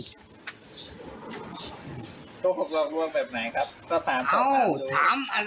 ก้องกลวงเวียบไหนครับ